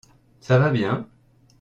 Ça va bien ?